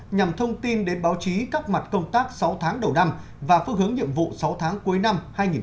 nhằm thông tin đến báo chí các mặt công tác sáu tháng đầu năm và phước hướng nhiệm vụ sáu tháng cuối năm hai nghìn một mươi bảy